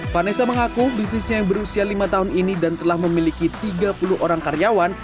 vanessa mengaku bisnisnya yang berusia lima tahun ini dan telah memiliki tiga puluh orang karyawan